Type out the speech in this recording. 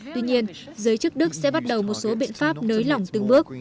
tuy nhiên giới chức đức sẽ bắt đầu một số biện pháp nới lỏng từng bước